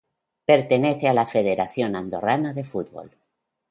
Pertenece a la Federación Andorrana de Fútbol.